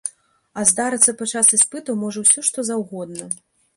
А здарыцца падчас іспытаў можа ўсё што заўгодна.